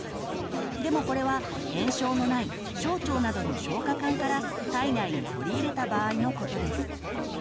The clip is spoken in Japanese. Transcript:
でもこれは炎症のない小腸などの消化管から体内に取り入れた場合のことです。